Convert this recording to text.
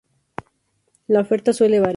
La oferta suele variar.